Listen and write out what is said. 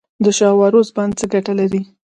د شاه و عروس بند څه ګټه لري؟